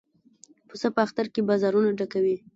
پسه په اختر کې بازارونه ډکوي.